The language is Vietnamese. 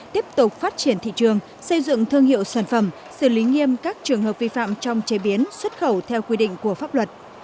tiếp tục phát triển thị trường xây dựng thương hiệu sản phẩm xử lý nghiêm các trường hợp vi phạm trong chế biến xuất khẩu theo quy định của pháp luật